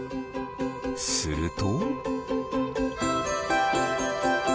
すると。